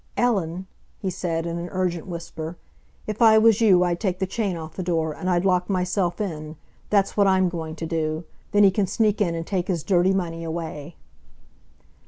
"Ellen," he said, in an urgent whisper, "if I was you I'd take the chain off the door, and I'd lock myself in—that's what I'm going to do. Then he can sneak in and take his dirty money away."